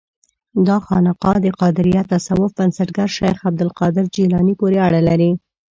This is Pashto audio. دا خانقاه د قادریه تصوف بنسټګر شیخ عبدالقادر جیلاني پورې اړه لري.